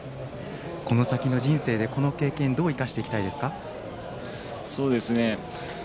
この先の人生でこの経験をどう生かしていきたいですか？